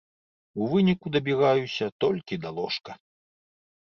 У выніку дабіраюся толькі да ложка.